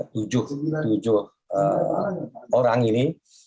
tujuh tujuh ee orang ini